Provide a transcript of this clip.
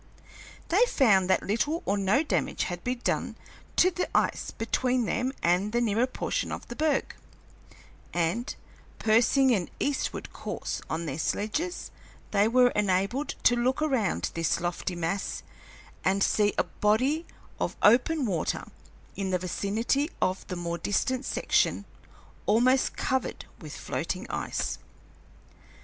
They found that little or no damage had been done to the ice between them and the nearer portion of the berg, and, pursing an eastward course on their sledges, they were enabled to look around this lofty mass and see a body of open water in the vicinity of the more distant section almost covered with floating ice.